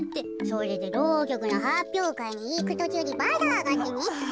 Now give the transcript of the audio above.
それでろうきょくのはっぴょうかいにいくとちゅうにバザーがあってね。